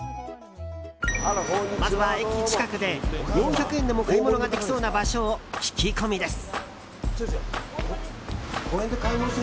まずは、駅近くで４００円でも買い物ができそうな場所を聞き込みです。